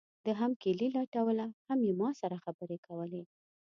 ده هم کیلي لټوله هم یې ما سره خبرې کولې.